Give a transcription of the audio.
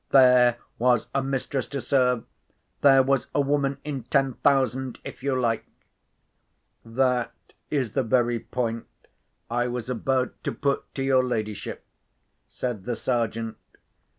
(There was a mistress to serve! There was a woman in ten thousand, if you like!) "That is the very point I was about to put to your ladyship," said the Sergeant.